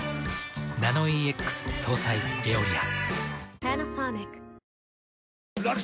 ナノイーＸ搭載「エオリア」。